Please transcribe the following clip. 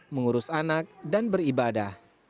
mengurus anak dan beribadah